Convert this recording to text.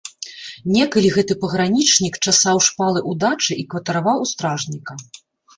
Некалі гэты пагранічнік часаў шпалы ў дачы і кватараваў у стражніка.